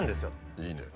いいね。